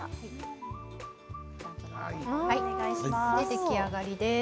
出来上がりです。